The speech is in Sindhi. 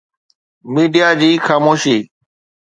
ميڊيا جي خاموشي